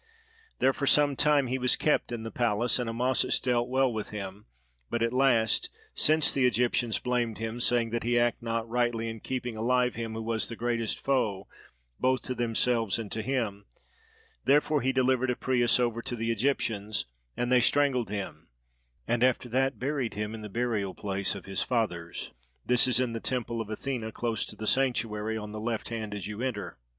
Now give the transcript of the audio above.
There for some time he was kept in the palace, and Amasis dealt well with him but at last, since the Egyptians blamed him, saying that he acted not rightly in keeping alive him who was the greatest foe both to themselves and to him, therefore he delivered Apries over to the Egyptians; and they strangled him, and after that buried him in the burial place of his fathers: this is in the temple of Athene, close to the sanctuary, on the left hand as you enter.